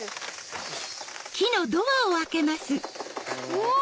うわ！